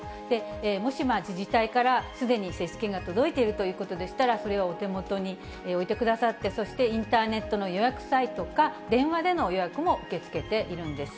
もし自治体からすでに接種券が届いているということでしたら、それをお手元においてくださって、そしてインターネットの予約サイトか、電話での予約も受け付けているんです。